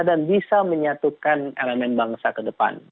dan bisa menyatukan elemen bangsa ke depan